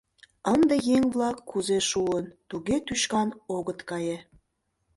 Ынде еҥ-влак кузе шуын, туге тӱшкан огыт кае.